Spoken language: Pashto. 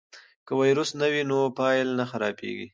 که ویروس نه وي نو فایل نه خرابېږي.